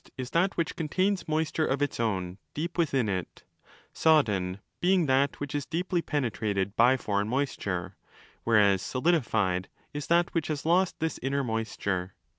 is that which contains moisture of its own deep within it ('sodden' being that which is deeply penetrated by forezgn moisture), whereas 'solidified' is that which has lost this inner moisture.